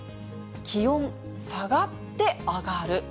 気温下がって上がる。